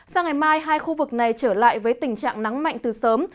sang ngày mai hai khu vực này trở lại với tình trạng nắng mạnh từ sớm